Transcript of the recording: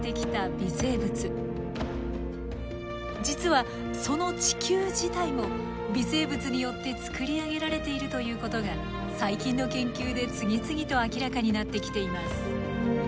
実はその地球自体も微生物によって作り上げられているということが最近の研究で次々と明らかになってきています。